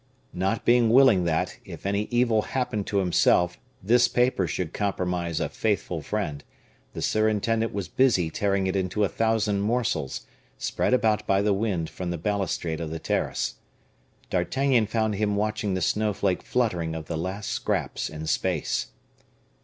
Not being willing that, if any evil happened to himself, this paper should compromise a faithful friend, the surintendant was busy tearing it into a thousand morsels, spread about by the wind from the balustrade of the terrace. D'Artagnan found him watching the snowflake fluttering of the last scraps in space.